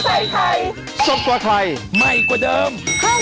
อืม